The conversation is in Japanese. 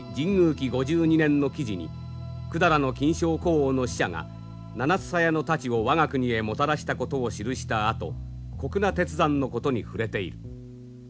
紀５２年の記事に百済の近肖古王の使者が七枝刀を我が国へもたらしたことを記したあと谷那鉄山のことに触れている。